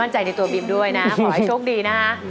ใจในตัวบิมด้วยนะขอให้โชคดีนะคะ